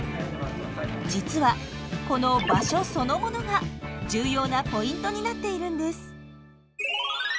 実はこの「場所」そのものが重要なポイントになっているんです。